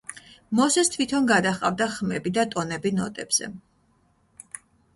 მოსეს თვითონ გადაჰყავდა ხმები და ტონები ნოტებზე.